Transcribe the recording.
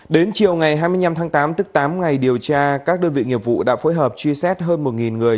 đến chiều ngày hai mươi năm tháng tám tức tám ngày điều tra các đơn vị nghiệp vụ đã phối hợp truy xét hơn một người